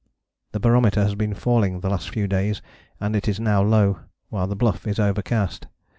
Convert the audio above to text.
The barometer has been falling the last few days and is now low, while the Bluff is overcast.